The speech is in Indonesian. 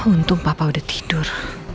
untung papa udah tidur